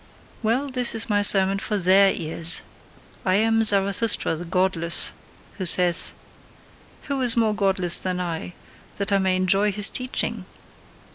Well! This is my sermon for THEIR ears: I am Zarathustra the godless, who saith: "Who is more godless than I, that I may enjoy his teaching?"